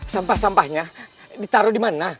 sampah sampahnya ditaruh di mana